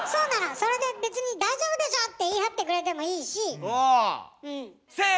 それで別に「大丈夫でしょ！」って言い張ってくれてもいいしうん。